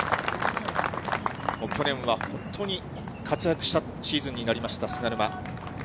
去年は本当に活躍したシーズンになりました菅沼。